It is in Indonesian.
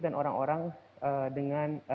dan orang orang dengan